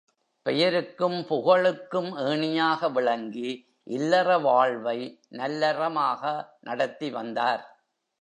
பெயருக்கும், புகழுக்கும் ஏணியாக விளங்கி இல்லற வாழ்வை நல்லறமாக நடத்தி வந்தார்.